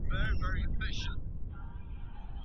نجلۍ بايد هيڅکله په شخړو کې ورنکړل سي.